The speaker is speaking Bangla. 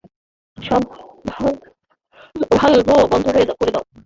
সব ভালভ বন্ধ করে দাও।